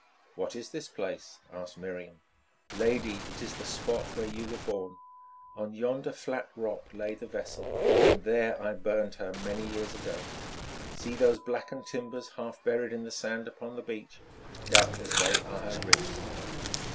"What is this place?" asked Miriam. "Lady, it is the spot where you were born. On yonder flat rock lay the vessel, and there I burned her many years ago. See those blackened timbers half buried in the sand upon the beach; doubtless they are her ribs."